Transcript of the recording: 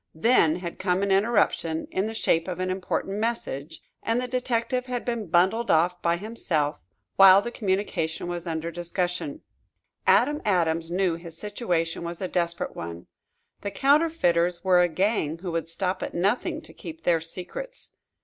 Then had come an interruption, in the shape of an important message, and the detective had been bundled off by himself, while the communication was under discussion. Adam Adams knew that his situation was a desperate one. The counterfeiters were a gang who would stop at nothing to keep their secrets.